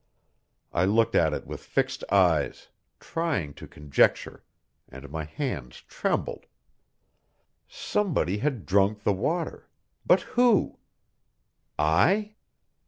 I looked at it with fixed eyes, trying to conjecture, and my hands trembled! Somebody had drunk the water, but who? I?